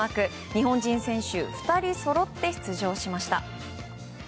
日本人選手２人そろって出場しました。